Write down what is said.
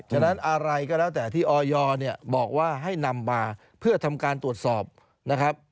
ฉะนั้นอะไรก็แล้วแต่ที่ออยเนี่ยบอกว่าให้นำมาเพื่อทำการตรวจสอบนะครับ